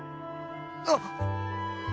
あっ！